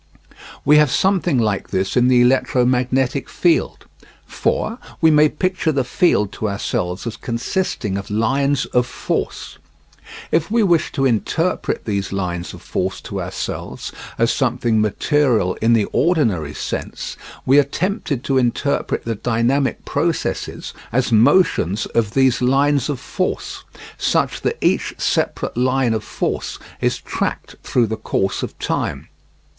We have something like this in the electromagnetic field. For we may picture the field to ourselves as consisting of lines of force. If we wish to interpret these lines of force to ourselves as something material in the ordinary sense, we are tempted to interpret the dynamic processes as motions of these lines of force, such that each separate line of force is tracked through the course of time.